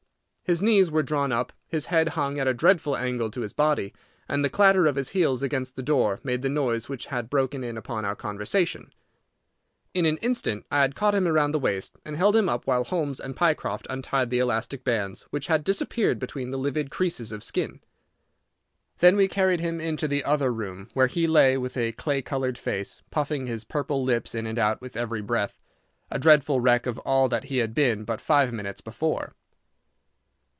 His knees were drawn up, his head hung at a dreadful angle to his body, and the clatter of his heels against the door made the noise which had broken in upon our conversation. In an instant I had caught him round the waist, and held him up while Holmes and Pycroft untied the elastic bands which had disappeared between the livid creases of skin. Then we carried him into the other room, where he lay with a clay coloured face, puffing his purple lips in and out with every breath—a dreadful wreck of all that he had been but five minutes before.